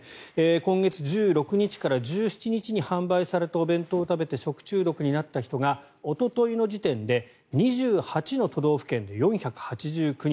今月１６日から１７日に販売されたお弁当を食べて食中毒になった人がおとといの時点で２８の都道府県で４８９人。